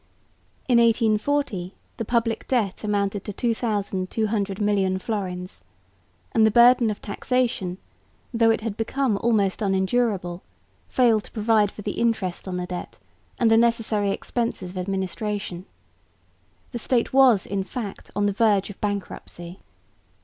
In 1840 the public debt amounted to 2200 million florins; and the burden of taxation, though it had become almost unendurable, failed to provide for the interest on the debt and the necessary expenses of administration. The State was in fact on the verge of bankruptcy.